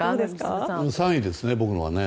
３位ですね、僕は。